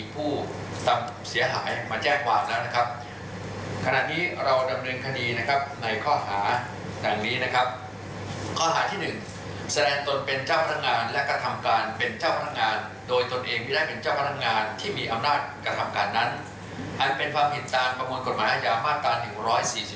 เป็นความผิดต่างกรรมประมวลกฎหมายภาษณียามาตร๑๔๕